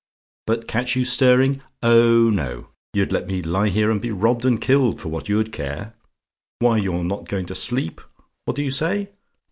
But catch you stirring! Oh, no! You'd let me lie here and be robbed and killed, for what you'd care. Why you're not going to sleep? What do you say?